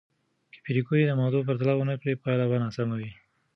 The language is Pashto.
که پېیر کوري د موادو پرتله ونه کړي، پایله به ناسم وي.